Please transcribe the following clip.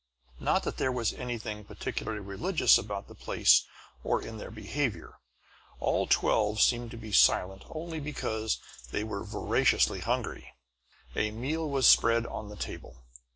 Not that there was anything particularly religious about the place or in their behavior. All twelve seemed to be silent only because they were voraciously hungry. A meal was spread on the table.